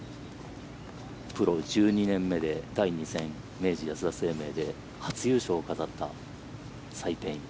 プロ１２年目で第２戦の明治安田生命で初優勝を飾ったサイ・ペイイン。